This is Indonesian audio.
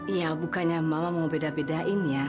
ya bukannya mama mau beda bedain ya